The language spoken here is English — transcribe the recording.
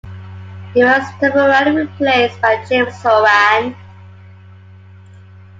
He was temporarily replaced by James Horan.